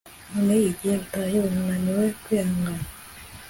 none, igihe utahiwe, unaniwe kwihangana